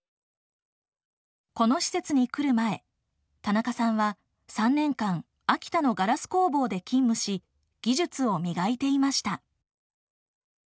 この施設に来る前田中さんは３年間秋田のガラス工房で勤務し技術を磨いていました。